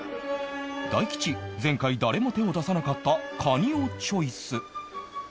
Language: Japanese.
大吉前回誰も手を出さなかったカニをチョイス